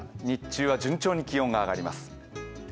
日中は順調に気温が上がります。